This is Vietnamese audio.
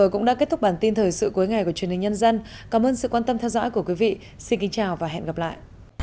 chào và hẹn gặp lại